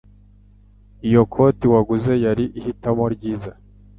Iyo koti waguze yari ihitamo ryiza.